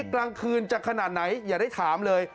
กลางคืนจะขนาดไหนอย่าได้ถามเลย